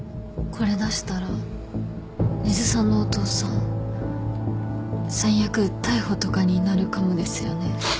これ出したら根津さんのお父さん最悪逮捕とかになるかもですよね。